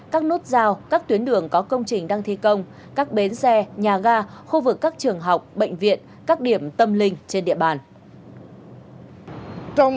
các nút giao các tuyến đường có công trình đang thi công các bến xe nhà ga khu vực các trường học bệnh viện các điểm tâm linh trên địa bàn